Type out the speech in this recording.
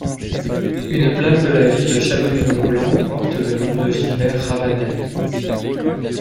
Une place de la ville de Chamonix-Mont-Blanc porte le nom de Gilbert Ravanel.